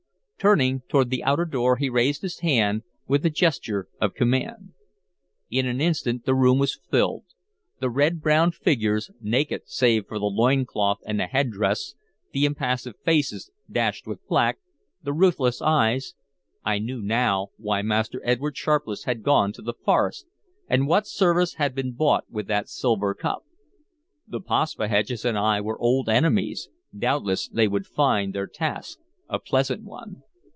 Turning toward the outer door, he raised his hand with a gesture of command. In an instant the room was filled. The red brown figures, naked save for the loincloth and the headdress, the impassive faces dashed with black, the ruthless eyes I knew now why Master Edward Sharpless had gone to the forest, and what service had been bought with that silver cup. The Paspaheghs and I were old enemies; doubtless they would find their task a pleasant one.